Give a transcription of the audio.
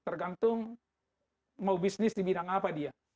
tergantung mau bisnis di bidang apa dia